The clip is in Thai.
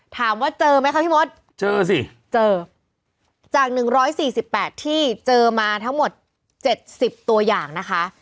ถามว่าเจอไหมคะพี่มดเจอสิเจอจาก๑๔๘ที่เจอมาทั้งหมด๗๐ตัวอย่างนะคะ